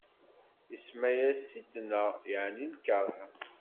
Isemma-yas Sitna, yeɛni lkeṛh.